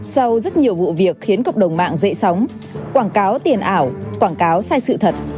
sau rất nhiều vụ việc khiến cộng đồng mạng dậy sóng quảng cáo tiền ảo quảng cáo sai sự thật